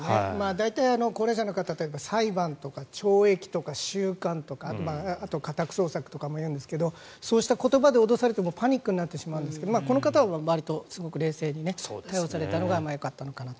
大体、高齢者の方というのは裁判とか懲役とか収監とか家宅捜査とかもそうですけどそうした言葉で脅されてもパニックになるんですがこの方はすごく冷静に対応されたのがよかったのかなと。